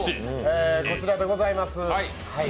こちらでございます。